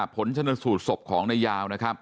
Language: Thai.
ผลชนสูตรศพของนายาว